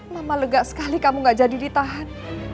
mama lega sekali kamu gak jadi ditahan